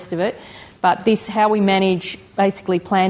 tapi bagaimana kita menguruskan